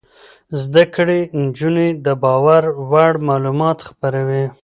زده کړې نجونې د باور وړ معلومات خپروي.